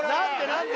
何で？